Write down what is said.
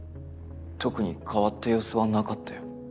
特に変わった様子はなかったよ。